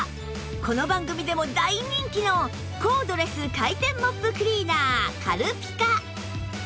この番組でも大人気のコードレス回転モップクリーナー軽ピカ